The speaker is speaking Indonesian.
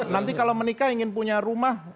nanti kalau menikah ingin punya rumah